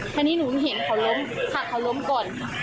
ทีนี้หนูเห็นเขาล้มขักเขาล้มก่อน